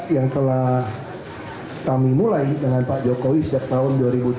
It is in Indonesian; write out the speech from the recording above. yang telah kami mulai dengan pak jokowi sejak tahun dua ribu tujuh belas